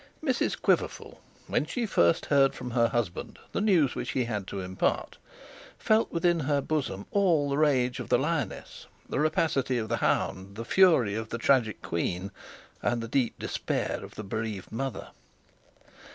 Mrs Quiverful, when she first heard from her husband the news which he had to impart, felt within her bosom all the rage of a lioness, the rapacity of the hound, the fury of the tragic queen, and the deep despair of a bereaved mother.